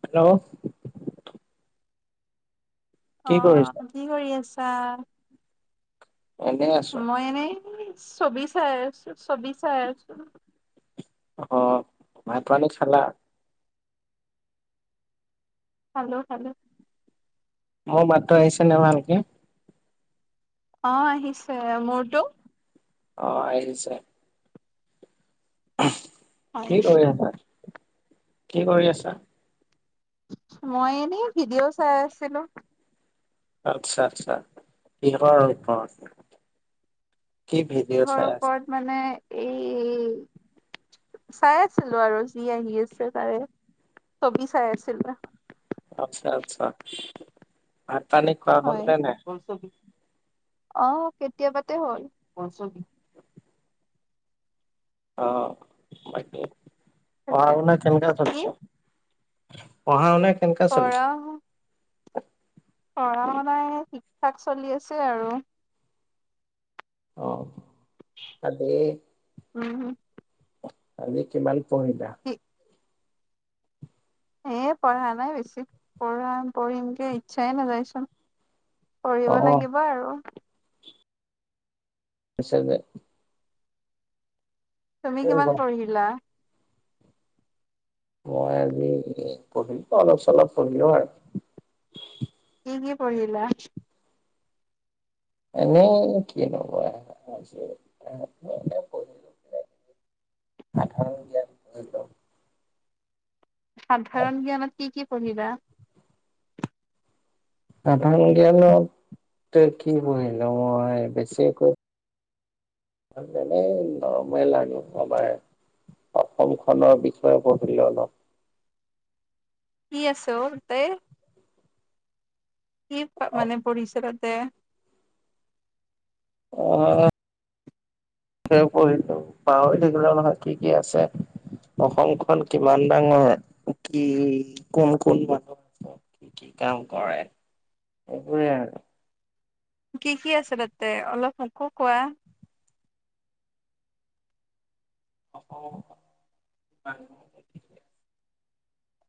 Hello কি কৰিছা? আহ কি কৰি আছা? এনেই আছো। চবি চাই আছো চবি চাই আছো। অ ভাত পানী খালা? খালো খালো। মোৰ মাতটো আহিছে নে ভালকে? অ আহিছে। মোৰটো? অ আহৈছে। হয়, কি কৰি আছা? কি কৰি আছা? মই এনেই ভিডিঅ' চাই আছিলো। আচ্ছা আচ্ছা। কিহৰ ওপৰত? কি ভিডিঅ' কিহৰ চাই আছা? ওপৰত মানে এই চাই আছিলো আৰু যি আহি আছে তাৰে চবি চাই আছিলোঁ। আচ্ছা আচ্ছা। ভাত পানী খোৱা হলে নে নাই? আহ কেতিয়াবাতে হ'ল। অ বাকি পঢ়া কেতিয়া শুনা কেনেকা কি চলিছে? পঢ়া শুনা কেনেকা চলিছে? পঢ়া শু পঢ়া শুনা এ ঠিক ঠাক চলি আছে আৰু। অঁ হু হু। আজি কিমান পঢ়িলা? এ পঢ়া নাই বেছি পঢ়িম পঢ়িমকে ইচ্ছাই নাযায়চোন। পঢ়িব অ লাগিব আৰু। হৈছে যে [unintelligible] তুমি কিমান পঢ়িলা? মই আজি পঢ়িলো অলপ চলপ পঢ়িলো আৰু কি কি পঢ়িলা? এনে কি হব আৰু আজি এনে পঢ়িলোঁ আৰু। [unintelligible] সাধাৰণ জ্ঞান পঢ়িলোঁ। সাধাৰণ জ্ঞানত কি কি পঢ়িলা? সাধাৰ জ্ঞানত কি পঢ়িলোঁ মই বেছি একো এনেই নৰ্মেল আৰু আমাৰ অসম খনৰ বিষয়ে পঢ়িলোঁ অলপ। কি আছে অ তাতে? কি মানে পঢ়িছা তাতে? অ চব পঢ়িলো পাহৰি থাকিলো নহয় কি কি আছে। অসমখন কিমান ডাঙৰ কি কোন কোন মানুহ আছে। কি কি কাম কৰে এইবোৰে আৰু। কি কি আছে তাতে অলপ মোকো কোৱা? [unintelligible]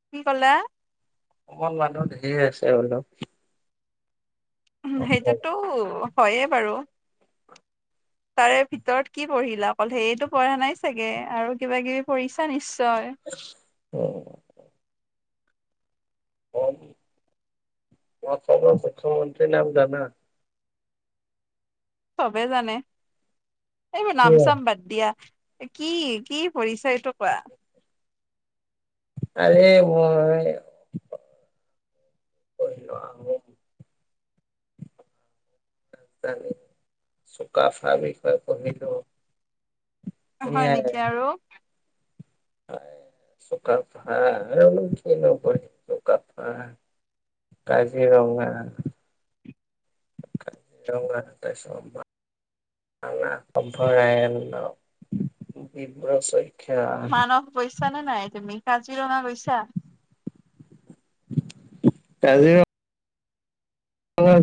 কি কলা? অসমত মানুহ ঢেৰ আছে বোলো। সেইটোতো হয়ে বাৰু। [inaudible] তাৰে ভিতৰত কি পঢ়িলা অকল সেইয়টো পঢ়া নাই চাগে আৰু কিবা কিবি পঢ়িছা নিশ্চ তই অসমৰ মুখ্যমন্ত্ৰী নাম জানা? চবে জানে এইবোৰ নাম চাম বাদ দিয়া। কি কি পঢ়িছা সেইটো কোৱা? আৰে মই অ। ৰাজানী চুকাফা বিষয়ে পঢ়িলো। হয় সেয়াই নেকি আৰু। চুকাফা চুকাফা। কাজিৰঙা। তাৰপাছত। কাজিৰঙা অভয়াৰণ্য ডিব্ৰু ছৈখোৱা। মানস গৈছা নে নাই তুমি কাজিৰঙা গৈছা। কাজিৰঙা।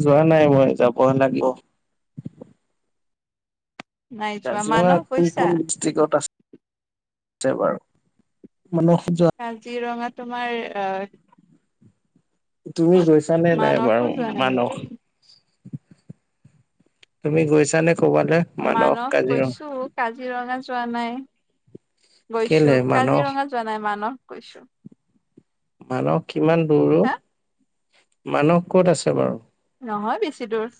যোৱা নাই মই যাব লাগিব। নাই যোৱা কাজিৰঙা মানস কোন গৈছা? কোন ডিষ্ট্ৰিক্ট আছে আছে বাৰু। মানস যোৱা কাজিৰঙা তোমাৰ আহ। তুমি গৈছানে নাই মানসো বাৰু যোৱা নাই মানস। নেকি? তুমি গৈছানে? ক'বালে মানস কাজিৰঙা? কৈছো কাজিৰঙা। যোৱা নাই কেলে গৈছো মানস কাজিৰঙা যোৱা নাই মানস গৈছো। মানস কিমান দূৰো হা মানস কত আছে বাৰু? নহয় বেছি দূৰ।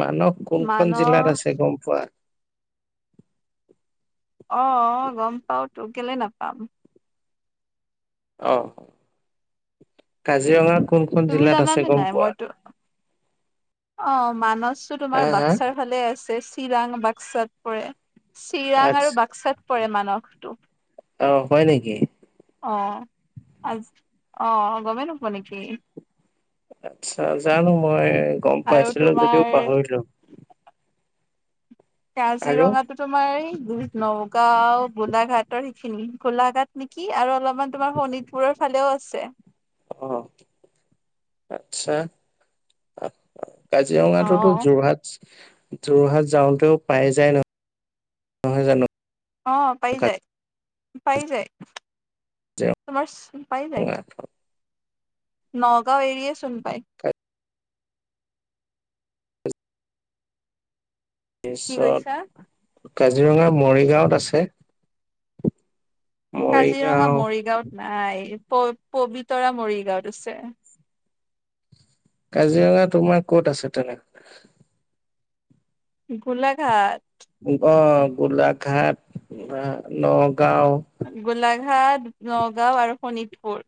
মানস কোনখন জিলাত মানস আছে গম পোৱা? আহ গম পাও তো কেলে নাপাম। অ কাজিৰঙাত। কোনখন তুমি জিলাত জানানে আছে গম নাই পোৱা? মইতো অ মানচটো তোমাৰ হা হা বাক্সাৰ ফালে আছে চিৰাং বাক্সাত পৰে। চিৰাং আৰু আচ্ছা বাক্সাত পৰে মানসটো। অ হয় নেকি। অ আজ অ গমেই নোপোৱা নেকি। আচ্ছা জানো মই গম আৰু পাইছিলো যদিও তোমাৰ পাহৰিলো। আৰু কাজিৰঙাটো তোমাৰ এই নগাঁও। গোলাঘাটৰ সেইখিনি গোলাঘাট নেকি আৰু অলপমান তোমাৰ শোণিতপুৰৰ ফালেও আছে। অ আচ্ছা আহ। অ কাজিৰঙাটোতো যোৰহাট। যোৰহাট যাওঁতেও পাই যায় নহয় নহয় জানো। অ পাই যায় পাই যায়। কাজিৰঙা তোমাৰ পাই নাই। নগাঁও এৰিয়ে চোন পায়। তাৰপিছত কি কৰিছা? কাজিৰঙা মৰিগাঁৱত আছে। কাজিৰঙা মৰিগাঁও মৰিগাঁৱত নাই প পবিতৰা মৰিগাঁৱত আছে। কাজিৰঙা তোমাৰ ক'ত আছে তেনে। গোলাঘাট। অ গোলাঘাট অ ন। গোলাঘাট নগাঁও আৰু শোণিতপুৰ।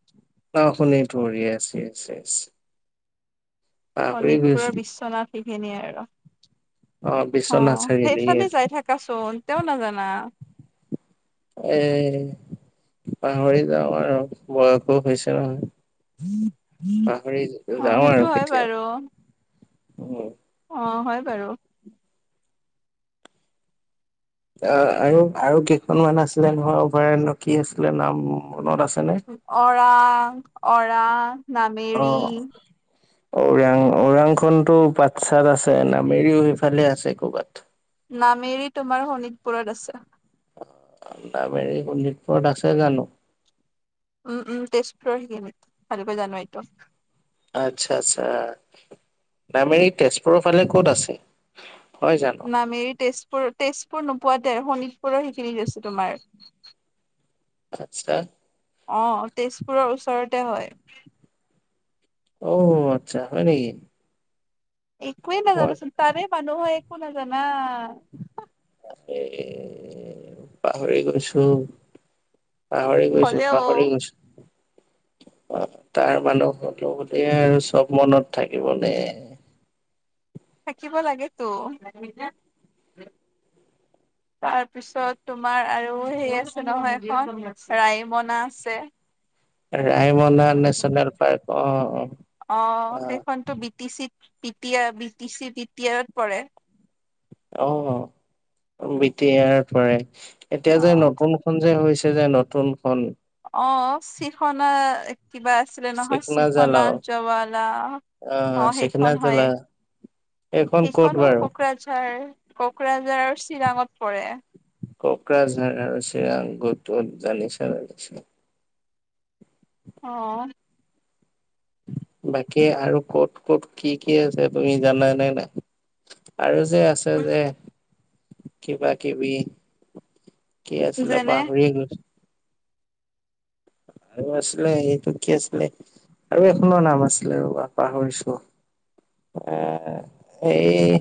অ শুনি পৰে ইয়েছ ইয়েছ ইয়েছ [unintelligible] শোণিতপুৰৰ বিশ্বনাথ শিঘিনী আৰু। [unintelligible] অ বিশ্বনাথ চাৰিআলি সেইফালে য়েছ যাই থাকাচোন তেওঁ নাজানা। এ পাহৰি যাওঁ আৰু বয়সো হৈছে নহয়। পাহৰি অ যাওঁ সেইটো আৰু হয় কেতিয়া বাৰু অ। অ হয় বাৰু। অ আৰু আৰু কেইখনমান আছিলে ঘৰ ভয় কি আছিলে নাম মনত আছিল। অৰা অৰাং অ নামেৰি। ওৰাং ওৰাংখনতো পচ্ছাত আছে নামেৰিও সেইফালে আছে ক'বাত নামেৰি তোমাৰ শোণিতপুৰত আছে। এ নামেৰি শোণিতপুৰত আছে জানোঁ। উম উম তেজপুৰৰ শিকম ভালকৈ জানো এইটো আচ্ছা আচ্ছা তাৰ মানে কি ন মেৰি তেজপুৰ তেজপুৰ নোপোৱাতে শোণিতপুৰৰ সেইখিনিত আছো তোমাৰ আচ্ছা অ তেজপুৰৰ ওচৰতে হয়। অ আচ্ছা হয় নেকি? একোৱেই মই নাজানা চুন তাৰে মানু্হ হৈ একো নাজানা। এ পাহৰি গৈছো। পাহৰি গৈছো হলেও পাহৰি গৈছো। অ তাৰ মানুহ হতো বোলিয়ে আৰু চব মনত থাকিব নে। [unintelligible] থাকিব লাগে তো [inaudible] তাৰপিছত তোমাৰ আৰু সেই আছে নহয় এখন ৰাইমনা আছে। ৰায়মনা নেচনেল পাৰ্ক অ' আহ সেইখনতো B T C T B T C B T আৰত পৰে [unintelligible] অ বিটিয়াৰ পৰে এতিয়া অ যে নতুনখন যে হৈছে। যে নতুনখন অ চিখনা কিবা আছিলে নহয় চিকনা চিফনা জালাও জৱালা আহ চিকনা সেইখন হয়ে জালা [unintelligible] এইখন ক'ত সেইখনো বাৰু কোকৰাঝাৰ কোকৰাঝাৰৰ চিৰাঙত পৰে। কোকৰাঝাৰছে আৰু চিৰাং কত জানিছালিছে [unintelligible] অ বাকী আৰু কত ক'ত কি কি আছে তুমি জানা নে নাই আৰু যে আছে যে কিবা কিবি কি আছিলে যেনে পাহৰিয়ে গৈছে [inaudible] আৰু আছিলে এইটো কি আছিলে আৰু এখনৰ নাম আছিলে ৰবা পাহৰিছো [unintelligible] আহ এই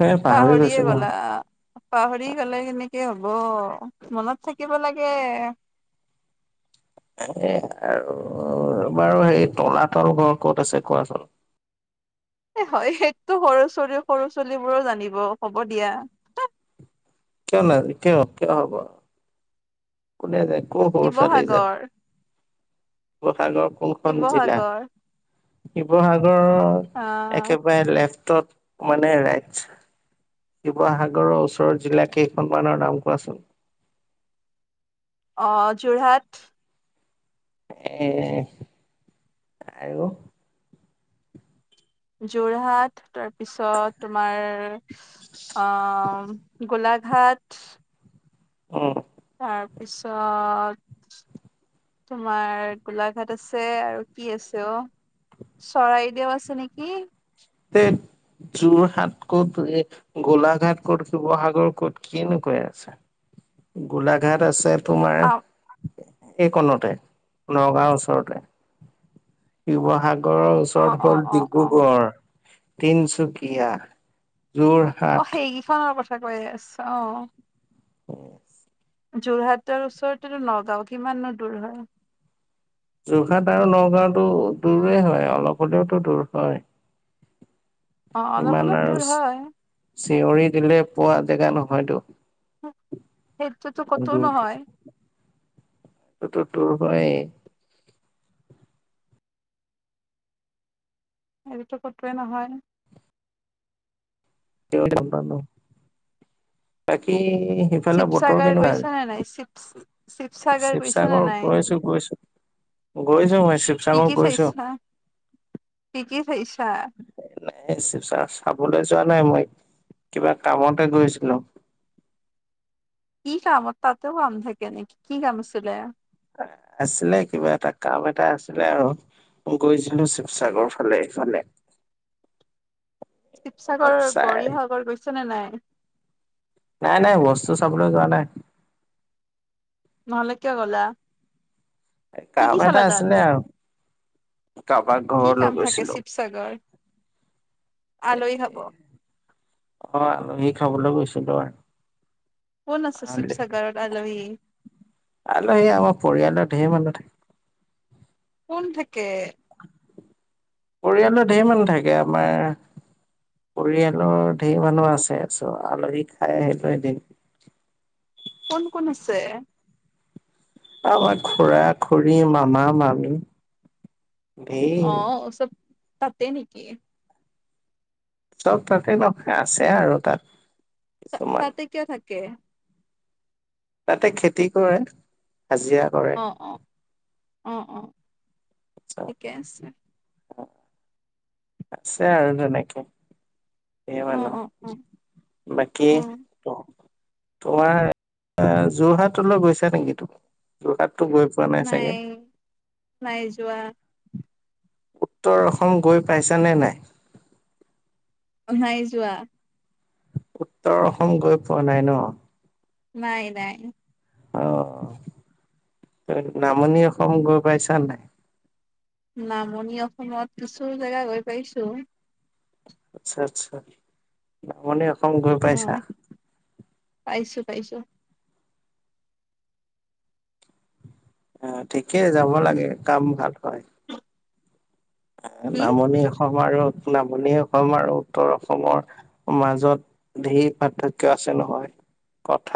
এ পাহৰি গৈছো পাহৰিয়ে গ'লা নহয় পাহৰি গ'লে কেনেকে হব হব মনত থাকিব লাগে। এ আৰু বাৰু হেই তলাতল ঘৰ ক'ত আছে কোৱাচোন। হয় সেইটোতো সৰু ছোৱালী সৰু ছোৱালী বোৰো জানিব হ'ব দিয়া কিয় ন কিয় কিয় হব [unintelligible] কোনে যায় ক সৰু চোৱালী যায় শিৱসাগৰ ক [unintelligible] শিৱসাগৰ কোনখন জিলা শিৱসাগৰ শিৱসাগৰৰ আহ একেবাৰে লেফ্ট ত মানে ৰাইজ [unintelligible] শিৱসাগৰৰ ওচৰৰ জিলা কেইখনমানৰ নাম কোৱাচোন অ যোৰহাট এ আৰু যোৰহাট তাৰপিছত তোমাৰ আহ গোলাঘাট অ তাৰপিছত তোমাৰ গোলাঘাট আছে আৰু কি আছে অ চৰাইদেউ আছে নেকি? তে যোৰহাট ক'ত এই গোলাঘাট ক'ত শিৱসাগৰ ক'ত কিনো কৈ আছে। গোলাঘাট আছে তোমাৰ অ এই কণতে নগাঁওৰ ওচৰতে শিৱসাগ ডগড়ৰ অ ওচৰত অ হ'ল অ অ ডিব্ৰুগড় তিনচুকীয়া [unintelligible] অ সেইকেইখনৰ কথা কৈ আছ অ [unintelligible] উ যোৰহাটৰ ওচৰতেটো নগাঁও কিমানো দূৰ হয় যোৰহাট আৰু নগাঁওতো দূৰেই হয় অলপ হলেওতো দূৰ হয় অ অলপ ইমান অলপ দূৰ আৰু হয় চিঞৰি দিলে পোৱা জেগা নহয়তো সেইটোতো কতো নহয় সেইটো টো হয়েই সেইটো তো কতোৱে নহয় ন বাকি [unintelligible] এই সিফালে বতৰ শিৱসাগৰ কেনেকুৱা গৈছা নে নাই আজি শিৱ গৈছা নে শিৱসাগৰ নাই গৈছো গৈছো গৈছো মই কি শিৱসাগৰ কি গৈছো চাইছা কি কি চাইছা [unintelligible] নাই যোৱা চাবলৈ [unintelligible] যোৱা নাই মই কিবা কামতে গৈছিলো কি কামত তাতেও কাম থাকে নেকি কি কাম আছিলে আছিলে কিবা এটা কাম এটা আছিলে আৰু গৈছিলো শিৱসাগৰ ফালে ইফালে শিৱসাগৰ অলপ চাই গৌৰীসাগৰ গৈছা নে নাই নাই নাই বস্তু চাবলে যোৱা নাই নহলে কিয় গলা কি কি কাম চালা এটা তাত আছিলে আৰু কাৰোবাক কি ঘৰলৈ কাম থাকে গৈছিলো অ শিৱসাগৰ আলহী খাব আলহী খাবলৈ গৈছিলোঁ আৰু কোন আছে শিৱসাগাৰত আলহী আলহী আমাৰ পৰিয়ালৰ ধেৰ মানুহ থাকে কোন থাকে পৰিয়ালৰ ধেৰ মানুহ থাকে আমাৰ পৰিয়ালৰ ধেই মানুহ আছে চ আলহী খাই আহিলো এদিন [inaudible] কোন কোন আছে আমাৰ খুৰা খুৰী মামা মামী ধেই অ চব তাতে নেকি? চব তাতে নহয় আছে আৰু তাত। কিছুমান তাতে কিয় থাকে? তাতে খেতি কৰে। হাজিৰা কৰে অ অ অ অ। ঠিকে আছে। আছে আৰু তেনেকে। ধেই অ অ অ মানুহ বাকি অ তোমাৰ যোৰহাটলৈ গৈছা নেকি তুমি যোৰহাট গৈ পোৱা নাই চাগে। নাই যোৱা উত্তৰ অসম গৈ পাইছানে নাই। নাই যোৱা। উত্তৰ অসম গৈ পোৱা নাই ন? নাই নাই। আহ নামনি অসম গৈ পাইছা নাই? নামনি অসমত কিছু জেগা গৈ পাইছো। আচ্ছা আচ্ছা নামনি অসম গৈ অ পাইছা? পাইছো পাইছো। অ ঠিকেই যাব লাগে কাম ভাল হয়। কি নামনি অসম। অসম আৰু নামনি অসম আৰু উত্তৰ অসমৰ মাজত ধেৰ পাৰ্থক্য আছে। হয় কথা। [inaudible]